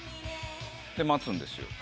で待つんです。